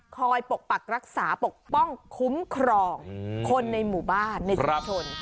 ปกปักรักษาปกป้องคุ้มครองคนในหมู่บ้านในชุมชน